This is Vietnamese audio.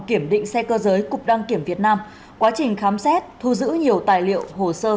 kiểm định xe cơ giới cục đăng kiểm việt nam quá trình khám xét thu giữ nhiều tài liệu hồ sơ